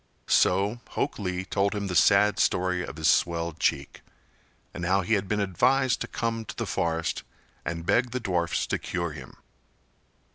So Hok Lee told him the sad story of his swelled cheek, and how he had been advised to come to the forest and beg the dwarfs to cure him.